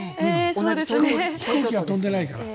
飛行機が飛んでないから。